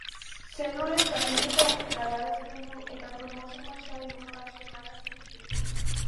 Zelulen zatiketa galarazten du eta kromosoma sail ugari sorrarazten ditu.